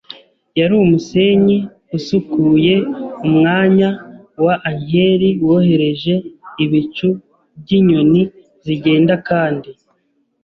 yari umusenyi usukuye. Umwanya wa ankeri wohereje ibicu byinyoni zigenda kandi